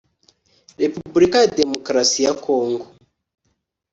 repubulika ya demokarasi ya kongo,